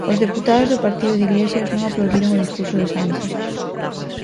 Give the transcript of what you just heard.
Os deputados do partido de Iglesias non aplaudiron o discurso de Sánchez.